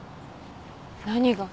何が？